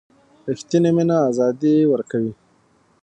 ریښتینې مینه آزادي ورکوي.